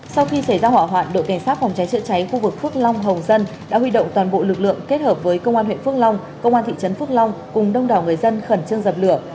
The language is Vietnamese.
sau khi xảy ra hỏa hoạn đội cảnh sát phòng cháy chữa cháy khu vực phước long hồng dân đã huy động toàn bộ lực lượng kết hợp với công an huyện phước long công an thị trấn phước long cùng đông đảo người dân khẩn trương dập lửa